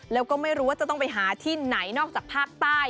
แล้วก็ไม่รู้ว่าจะต้องไปหาที่ไหนนอกจากภาคใต้